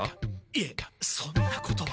いえそんなことは。